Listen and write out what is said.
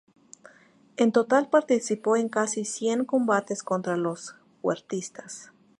En total participó en casi cien combates contra los huertistas.